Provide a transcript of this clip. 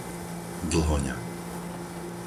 Dlhoňa